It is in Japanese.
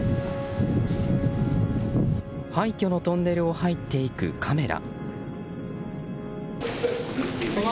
廃虚のトンネルを入っていくカメラ。